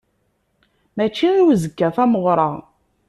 Mačči i uzekka tameɣṛa.